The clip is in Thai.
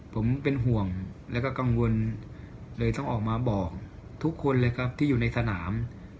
ผมเป็นห่วงและกังวลเลยต้องออกมาบอกทุกคนที่อยู่ในสนาม